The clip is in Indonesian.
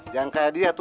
jangan kaya dia tuh